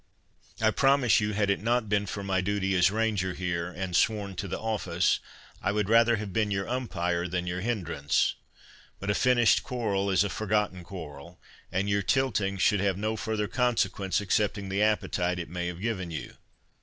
I promise you, had it not been for my duty as Ranger here, and sworn to the office, I would rather have been your umpire than your hinderance.—But a finished quarrel is a forgotten quarrel; and your tilting should have no further consequence excepting the appetite it may have given you."